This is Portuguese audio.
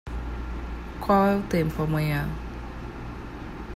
Qual é o tempo amanhã?